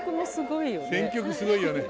選曲もすごいよね。